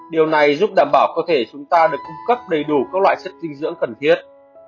điều này giúp đảm bảo có thể chúng ta được cung cấp đầy đủ các loại chất dinh dưỡng cần thiết